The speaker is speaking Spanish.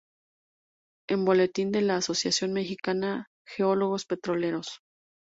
En Boletín de la Asociación Mexicana Geólogos Petroleros.